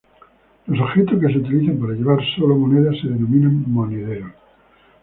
Los objetos que se utilizan para llevar sólo monedas se denominan "monederos".